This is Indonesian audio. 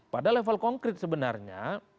pada level konkret sebenarnya